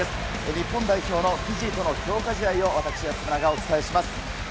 日本代表のフィジーとの強化試合を、私、安村がお伝えします。